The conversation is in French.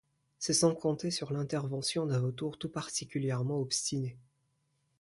C'est sans compter sur l'intervention d'un vautour tout particulièrement obstiné...